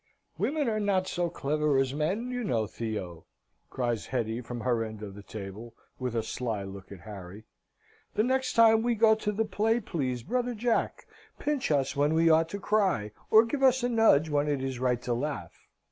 "Women are not so clever as men, you know, Theo," cries Hetty from her end of the table, with a sly look at Harry. "The next time we go to the play, please, brother Jack, pinch us when we ought to cry, or give us a nudge when it is right to laugh."